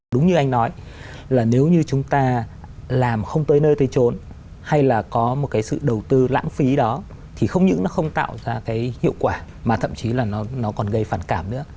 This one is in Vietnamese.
đúng như anh nói là nếu như chúng ta làm không tới nơi tới trốn hay là có một cái sự đầu tư lãng phí đó thì không những nó không tạo ra cái hiệu quả mà thậm chí là nó còn gây phản cảm nữa